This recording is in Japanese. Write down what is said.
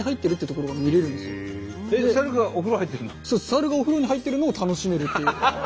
サルがお風呂に入ってるのを楽しめるっていう。